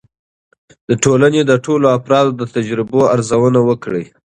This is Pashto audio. د ټولنې د ټولو افرادو د تجربو ارزونه وکړئ.